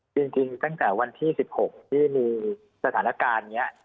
จริงตั้งแต่วันที่๑๖ที่มีสถานการณ์นี้